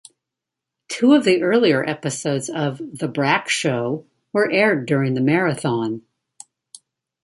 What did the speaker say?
Two of the earlier episodes of "The Brak Show" were aired during the marathon.